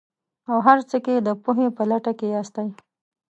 او هر څه کې د پوهې په لټه کې ياستئ.